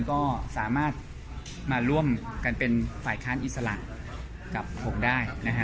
ก็สามารถมาร่วมกันเป็นฝ่ายค้านอิสระกับ๖ได้